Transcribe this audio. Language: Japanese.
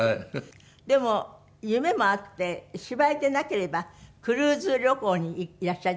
でも夢もあって芝居でなければクルーズ旅行にいらっしゃりたいんですって？